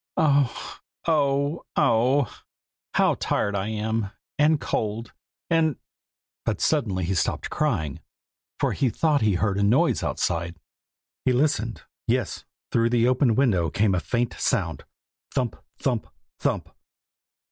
Oh! oh! oh! how tired I am, and cold, and ' but suddenly he stopped crying, for he thought he heard a noise outside. He listened. Yes, through the open window came a faint sound thump! thump! thump!